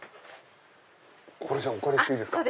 これお借りしていいですか？